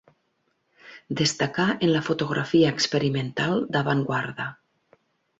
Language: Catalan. Destacà en la fotografia experimental d'avantguarda.